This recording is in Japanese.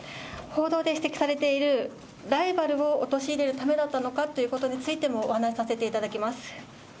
報道で指摘されている、ライバルを陥れるためだったのかということについても、お話させていただきます。